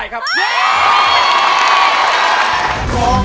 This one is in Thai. คุณนิ่มร้อง